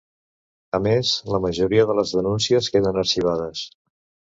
A més, la majoria de les denúncies queden arxivades.